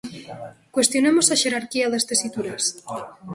Cuestionemos a xerarquía das tesituras.